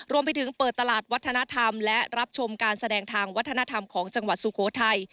รวมไปถึงเปิดตลาดวัฒนธรรมและรับชมการแสดงทางวัฒนธรรมของจังหวัดสุโขทัย